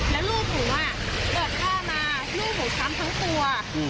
แล้วลูกหนูเกิดพ่อมาลูกหนูช้ำทั้งตัว